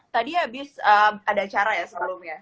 tadi abis ada acara ya sebelumnya